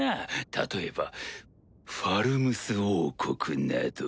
例えばファルムス王国など。